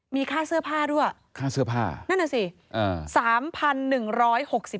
มีค่าเสื้อผ้าด้วยค่าเสื้อผ้านั่นน่ะสิ